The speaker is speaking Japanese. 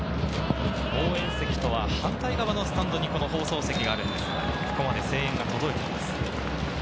応援席とは反対側のスタンドに放送席がある、ここまで声援が届いています。